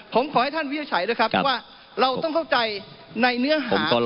ผมขอให้ท่านวินิจฉัยด้วยครับว่าเราต้องเข้าใจในเนื้อหา